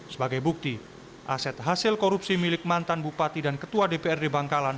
sebagai bukti aset hasil korupsi milik mantan bupati dan ketua dprd bangkalan